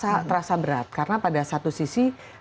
dan terasa berat karena pada satu sisi